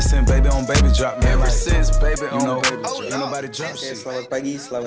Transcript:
selamat pagi selamat siang